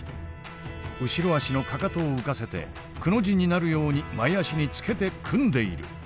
後ろ足のかかとを浮かせて「くの字」になるように前足につけて組んでいる。